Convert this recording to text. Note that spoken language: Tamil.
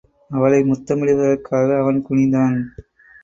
அவளை முத்தமிடுவதற்காக அவன் குனிந்தான்.